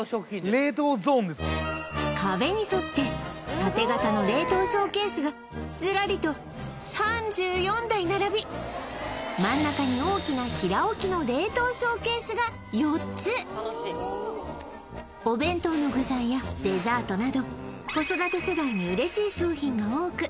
これ壁に沿って縦型の冷凍ショーケースがズラリと３４台並び真ん中に大きな平置きの冷凍ショーケースが４つお弁当の具材やデザートなど子育て世代に嬉しい商品が多く